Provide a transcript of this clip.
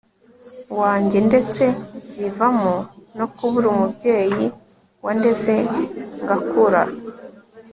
wanjye ndetse bivamo no kubura umubyeyi wandeze ngakura